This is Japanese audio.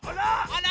あら！